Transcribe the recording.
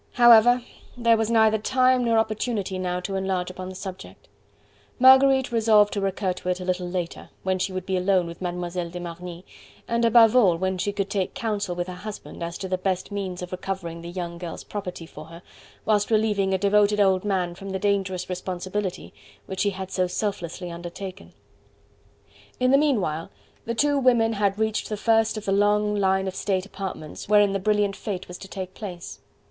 However, there was neither time nor opportunity now to enlarge upon the subject. Marguerite resolved to recur to it a little later, when she would be alone with Mlle. de Marny, and above all when she could take counsel with her husband as to the best means of recovering the young girl's property for her, whilst relieving a devoted old man from the dangerous responsibility which he had so selflessly undertaken. In the meanwhile the two women had reached the first of the long line of state apartments wherein the brilliant fete was to take place.